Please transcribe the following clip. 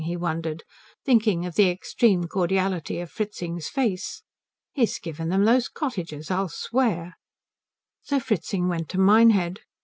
he wondered, thinking of the extreme cordiality of Fritzing's face. "He's given them those cottages, I'll swear." So Fritzing went to Minehead.